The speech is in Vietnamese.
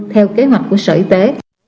theo kế hoạch của sở y tế